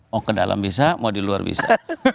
mau ke dalam bisa mau di luar bisa